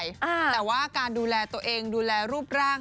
แต่ว่าการดูแลตัวเองดูแลรูปร่าง